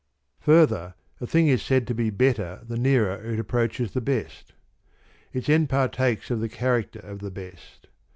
Further, a thing is said to be better the _ nearer it approaches the best. Its end partakes ofthe character of the best.